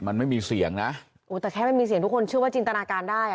มันไม่มีเสียงนะโอ้แต่แค่ไม่มีเสียงทุกคนเชื่อว่าจินตนาการได้อ่ะ